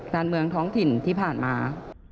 การเมืองท้องถิ่นที่ผ่านมา